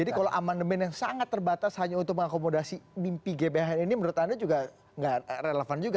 jadi kalau amandemen yang sangat terbatas hanya untuk mengakomodasi mimpi gbhn ini menurut anda juga nggak relevan juga